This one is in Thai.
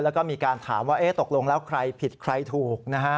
แล้วก็มีการถามว่าตกลงแล้วใครผิดใครถูกนะฮะ